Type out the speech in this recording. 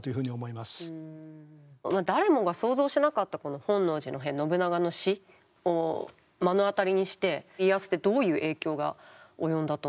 まあ誰もが想像しなかったこの本能寺の変信長の死を目の当たりにして家康ってどういう影響が及んだと思いますか。